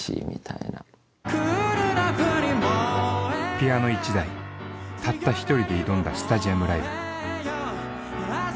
ピアノ１台たった１人で挑んだスタジアムライブ。